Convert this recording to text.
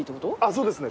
そうですね。